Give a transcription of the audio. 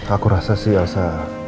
aku rasa sih elsa